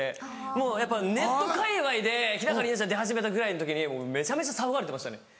もうやっぱネットかいわいで日高里菜ちゃん出始めたぐらいの時にめちゃめちゃ騒がれてましたね。